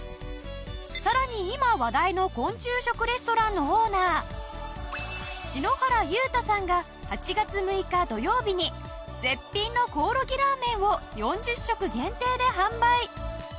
さらに今話題の昆虫食レストランのオーナー篠原祐太さんが８月６日土曜日に絶品のコオロギラーメンを４０食限定で販売。